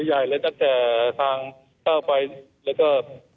ใหญ่แล้วสตร์ทางเข้าไปแล้วก็